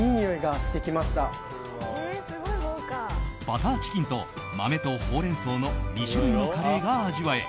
バターチキンと豆とほうれん草の２種類のカレーが味わえ